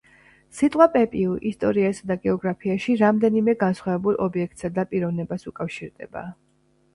სიტყვა „პეპიუ“ ისტორიასა და გეოგრაფიაში რამდენიმე განსხვავებულ ობიექტსა და პიროვნებას უკავშირდება